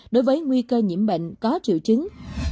đối với nguy cơ nhiễm bệnh có triệu chứng